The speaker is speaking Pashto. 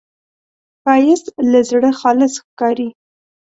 ښایست له زړه خالص ښکاري